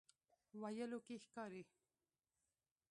ویلو کې ښکاري.